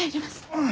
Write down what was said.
うん。